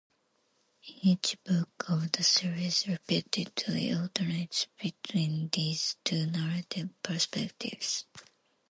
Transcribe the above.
Each book of the series repeatedly alternates between these two narrative perspectives.